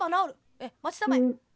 「ええまちたまえ」。